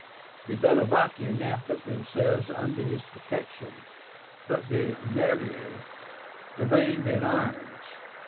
The Bellovaci now put themselves under his protection, but the Nervii remained in arms.